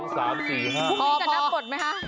พรมี้จะนับหมดมั้ยฮะ